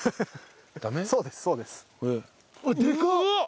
そうですそうです。でかっ！